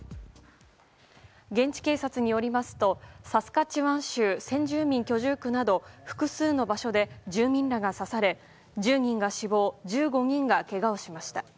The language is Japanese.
現地警察によりますとサスカチワン州先住民居住区など複数の場所で住民らが刺され１０人が死亡１５人がけがをしました。